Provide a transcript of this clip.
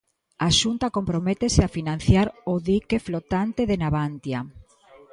A Xunta comprométese a financiar o dique flotante de Navantia.